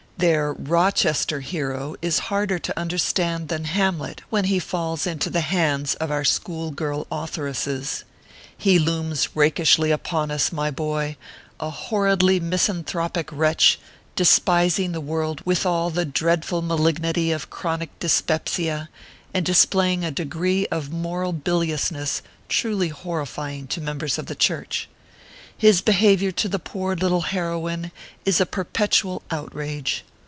Their " Rochester" hero is harder to understand ORPHEUS C. KERR PAPERS. (jj than Hamlet, when he falls into the hands of our school girl authoresses. He looms rakishly upon us, my boy, a horridly misanthropic wretch, despising the world with all the dreadful malignity of chronic dyspepsia, and displaying a degree of moral bilious ness truly horrifying to members of the church. His behavior to the poor little heroine is a perpetual out rage.